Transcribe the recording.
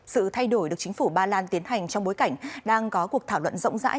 sự thay đổi được chính phủ ba lan tiến hành trong bối cảnh đang có cuộc thảo luận rộng rãi